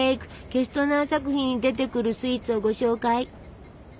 ケストナー作品に出てくるスイーツをご紹介。